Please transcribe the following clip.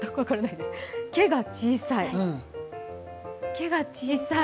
「け」が小さい？